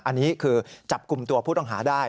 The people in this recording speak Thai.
อันนี้คือจับกลุ่มตัวผู้ต้องหาได้